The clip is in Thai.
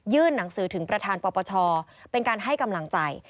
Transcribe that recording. หนังสือถึงประธานปปชเป็นการให้กำลังใจ